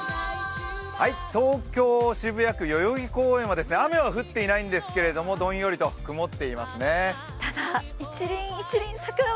東京・渋谷区代々木公園は雨は降っていないんですけれども、どんよりと曇っていますね。